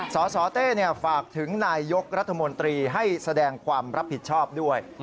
สสเต้ฝากถึงนายยกรัฐมนตรีให้แสดงความรับผิดชอบด้วย